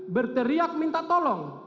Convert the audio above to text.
berteriak minta tolong